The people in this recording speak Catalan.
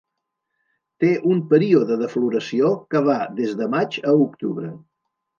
Té un període de floració que va des de maig a octubre.